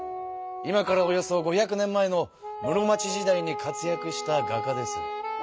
今からおよそ５００年前の室町時代に活やくした画家です。